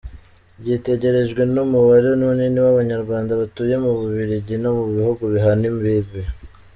Gitegerejwe n’umubare munini w’Abanyarwanda batuye mu Bubiligi no mu bihugu bihana imbibe.